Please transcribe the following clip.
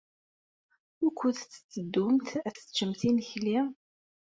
Wukud tetteddumt ad teččemt imekli?